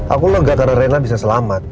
aku lega karena rena bisa selamat